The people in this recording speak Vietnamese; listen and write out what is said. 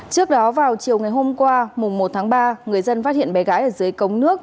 trước đó vào chiều ngày hôm qua mùng một tháng ba người dân phát hiện bé gái ở dưới cống nước